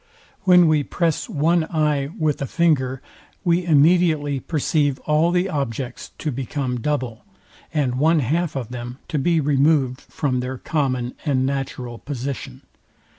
When we press one eye with a finger, we immediately perceive all the objects to become double, and one half of them to be removed from their common and natural position.